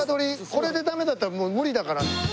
これでダメだったらもう無理だから。